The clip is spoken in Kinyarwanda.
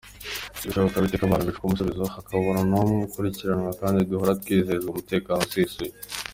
bishoboka bite ko abantu bicwa umusubizo hakabura numwe ukurikiranwa kandi duhora twizezwa umutekano usesuye!